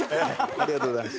ありがとうございます。